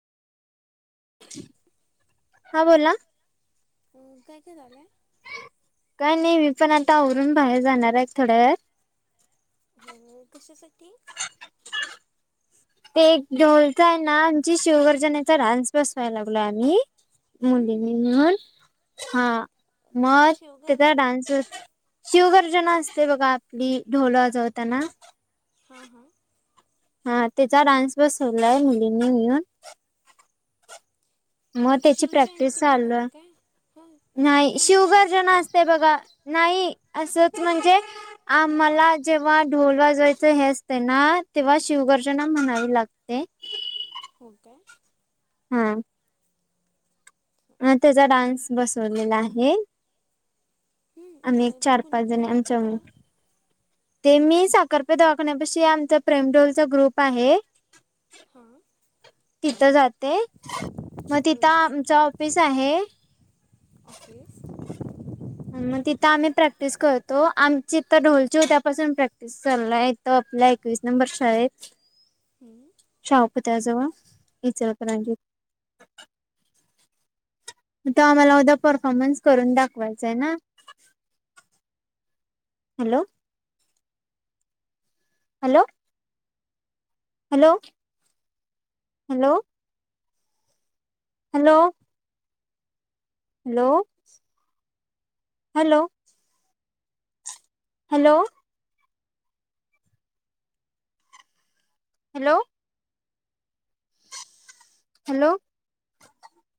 हा! बोला! ! काय काय झाले. काय नाही मी पण आता आवरून बाहेर जाणार आहे, थोड्या ळात हो! कशासाठी? ते एक ढोलता आहे ना आमची शिवगर्जनेचा डान्स बसवायला लागलोय आम्ही हं, मुलीनी म्हणून हा मग शेवगर त्याचा डान्स शुगर जन असते बघा आपली ढोलजवताना हां! हां! ! हा त्याचा डान्स बस होलाय मुलीनी येिऊन मग अं, त्याची प्रॅक्टिस शिवजयंती काय चालल आहे काय हां नाही, शिवजयंती आहे शुगर जण असते बघा! नाही असच! म्हणजे आम्हाला जेव्हा ढोल वाजवायचं हे असते ना? तेव्हा शिवगर्जना म्हणावी लागते ते हो काय? हम्मः! ! अ त्याचा डान्स बसवलेला आहे. हं, आणिम् एक मग ते चार पाच कुणीकडे जणी जाता आमचा म त्याला ते मी साखरपेताळखण्यापशी, आमचा प्रेमडोलचा ग्रुप आहे. ह हां! ! तिथं जाते मग तिथं, अं, गी आमच ऑफिस आहे. ऑफिस! मग तिथं आम्ही प्रॅक्टिस करतो आमचीथ ढोलची, होत त्यापासून प्रॅक्टिस चाला आहे तो आपल्या, एकवीस नंबर शाळेत हं, शाहू पुतळ्या तजवळ इचलकरणजी. मग तो आम्हाला उद्या, परफॉर्मन्स करून दाखवायचा आहे ना? Hello! ! Hello! ! Hello hello. Hello. Hello hello. Hello. Hello. Hello.